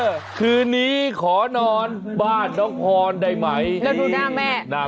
เจรฟาแล้วอยู่ประมาณนั้นน่ะ